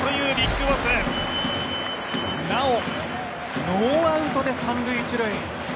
なお、ノーアウトで三塁・一塁。